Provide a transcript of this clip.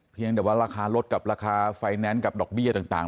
เพียงแต่ว่าราคาลดกับราคาไฟแนนซ์กับดอกเบี้ยต่าง